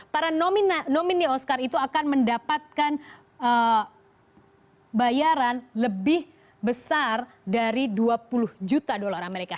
para nomini oscar itu akan mendapatkan bayaran lebih besar dari dua puluh juta dolar amerika